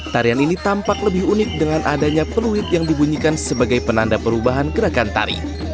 tarian ini tampak lebih unik dengan adanya peluit yang dibunyikan sebagai penanda perubahan gerakan tari